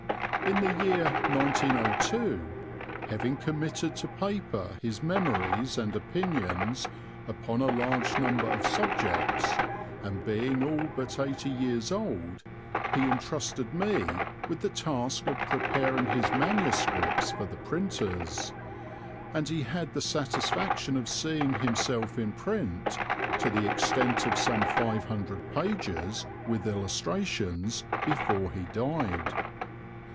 In the year 1902, having committed to paper his memories and opinions upon a large number of subjects, and being all but eighty years old, he entrusted me with the task of preparing his MS. for the printers; and he had the satisfaction of seeing himself in print, to the extent of some five hundred pages with illustrations, before he died.